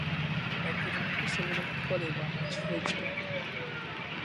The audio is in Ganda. Okulima kusobola okukolebwa mu kifo ekitono.